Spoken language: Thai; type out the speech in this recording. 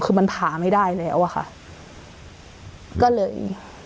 คือมันผ่าไม่ได้แล้วอะค่ะก็เลย